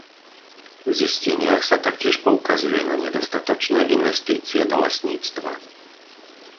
V zisteniach sa taktiež poukazuje na nedostatočné investície do lesníctva.